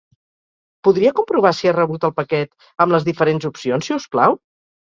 Podria comprovar si ha rebut el paquet amb les diferents opcions, si us plau?